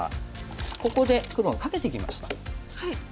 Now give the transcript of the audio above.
ここで黒がカケてきました。